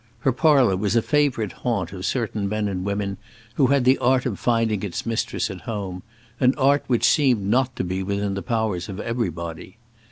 Her parlour was a favourite haunt of certain men and women who had the art of finding its mistress at home; an art which seemed not to be within the powers of everybody.